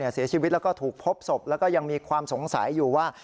เสียชีวิตแล้วก็ถูกพบศพแล้วก็ยังมีความสงสัยอยู่ว่า